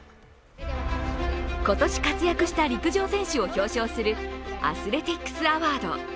今年活躍した陸上選手を表彰するアスレティックス・アワード。